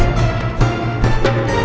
jangan lupa joko tingkir